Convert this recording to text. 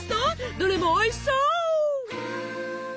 どれもおいしそう！